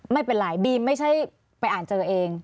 ไม่เป็นไรบีมไม่ใช่ไปอ่านเจอเอง